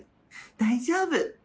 大丈夫。